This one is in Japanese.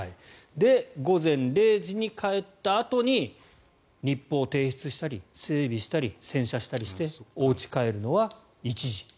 午前０時に帰ったあとに日報を提出したり整備したり、洗車したりしておうちに帰るのは１時。